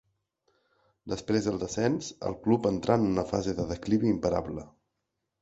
Després del descens, el Club entrà en una fase de declivi imparable.